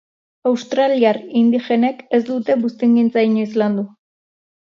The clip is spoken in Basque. Australiar indigenek ez dute buztingintza inoiz landu